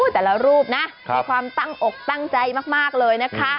แต่ละรูปนะมีความตั้งอกตั้งใจมากเลยนะคะ